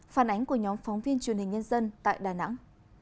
phản ánh của nhóm phóng viên truyền hình nhân dân tại đà nẵng